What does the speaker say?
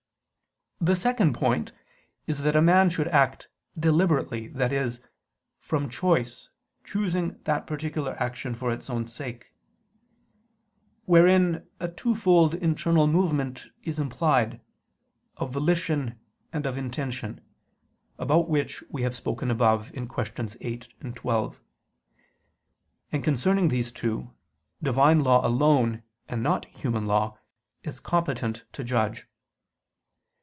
The second point is that a man should act "deliberately," i.e. "from choice, choosing that particular action for its own sake"; wherein a twofold internal movement is implied, of volition and of intention, about which we have spoken above (QQ. 8, 12): and concerning these two, Divine law alone, and not human law, is competent to judge.